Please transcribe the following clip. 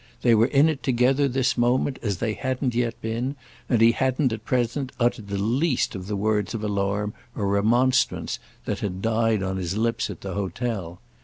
They were in it together this moment as they hadn't yet been, and he hadn't at present uttered the least of the words of alarm or remonstrance that had died on his lips at the hotel.